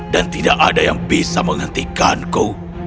dan tidak ada yang bisa menghentikanku